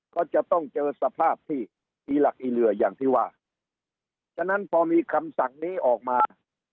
ก็จะต้องเจอสภาพที่อีหลักอีเหลืออย่างที่ว่าฉะนั้นพอมีคำสั่งนี้ออกมา